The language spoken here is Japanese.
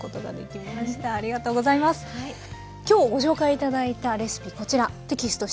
今日ご紹介頂いたレシピこちらテキスト